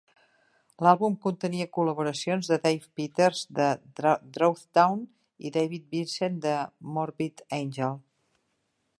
L'àlbum contenia col·laboracions de Dave Peters de Throwdown i David Vincent de Morbid Angel.